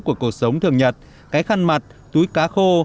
của cuộc sống thường nhật cái khăn mặt túi cá khô